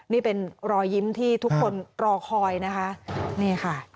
นี่เป็นรอยยิ้มที่ทุกคนรอคอยนะคะนี่ค่ะ